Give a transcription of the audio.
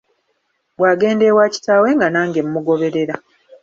Bw'agenda ewa kitaawe nga nange mugoberera.